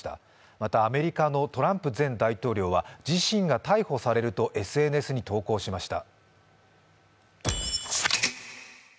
またアメリカのトランプ前大統領は自身が逮捕されるとＳＮＳに投稿しました。